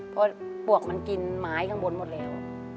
เพราะปวกมันกินไม้ข้างบนหมดแล้ว